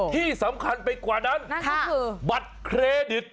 ที่สำคัญไปกว่านั้นบัตรเครดิท